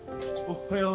おはよう。